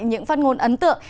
những phát ngôn ấn tượng